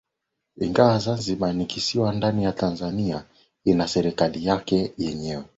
Ingawa Zanzibar ni kisiwa ndani ya Tanzania ina serikali yake yenyewe